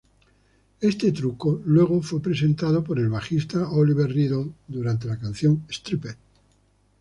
Este truco luego fue presentado por el bajista Oliver Riedel durante la canción Stripped.